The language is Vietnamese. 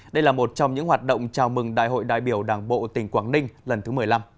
đây là một trong những hoạt động chào mừng đại hội đại biểu đảng bộ tỉnh quảng ninh lần thứ một mươi năm